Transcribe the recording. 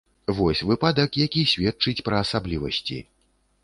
Вось выпадак, які сведчыць пра асаблівасці.